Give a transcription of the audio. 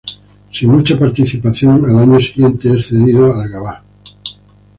Sin mucha participación, al año siguiente es cedido al Gavá.